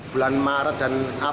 bulan maret dan april